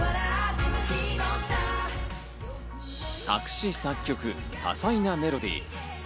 作詞・作曲、多彩なメロディー。